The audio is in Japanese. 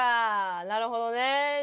なるほどねぇ。